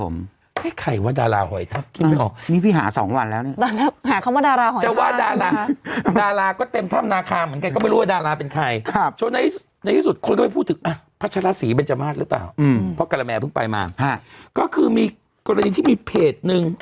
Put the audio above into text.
ไม่ได้เม๊ฉันไปศึกษาเอง